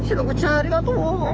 ありがとね。